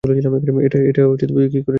এটা তুই কী করেছিস!